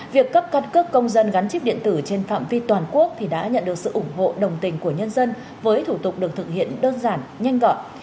việc cấp căn cước công dân gắn chip điện tử trên phạm vi toàn quốc đã nhận được sự ủng hộ đồng tình của nhân dân với thủ tục được thực hiện đơn giản nhanh gọn